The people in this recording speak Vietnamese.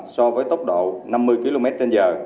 so với tốc độ năm mươi kmh